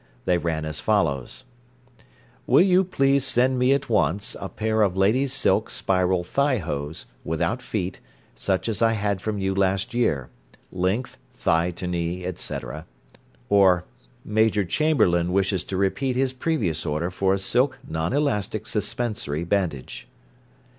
They ran as follows: "Will you please send me at once a pair of lady's silk spiral thigh hose, without feet, such as I had from you last year; length, thigh to knee, etc." Or, "Major Chamberlain wishes to repeat his previous order for a silk non elastic suspensory bandage."